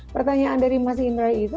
pertanyaan dari mas indra itu